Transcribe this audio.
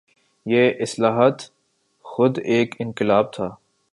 یہ اصلاحات خود ایک انقلاب تھا۔